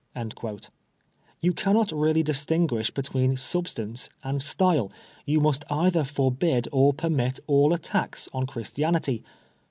Tou cannot really distinguish between sub stance and style ; you must either forbid or permit all attacks on Christianity.